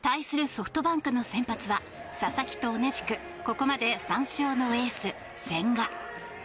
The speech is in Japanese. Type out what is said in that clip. ソフトバンクの先発は佐々木と同じくここまで３勝のエース、千賀。